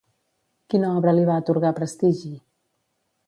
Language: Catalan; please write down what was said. Quina obra li va atorgar prestigi?